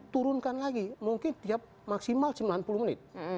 turunkan lagi mungkin tiap maksimal sembilan puluh menit